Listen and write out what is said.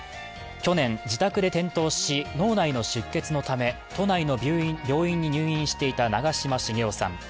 去年、自宅で転倒し脳内の出血のため都内の病院に入院していた長嶋茂雄さん。